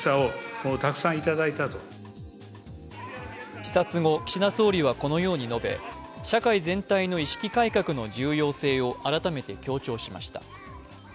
視察後、岸田総理はこのように述べ社会全体の意識改革の重要性を改めて強調しました。